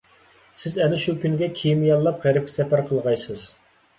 سىز ئەنە شۇ كۈنگە كېمە ياللاپ غەربكە سەپەر قىلغايسىز.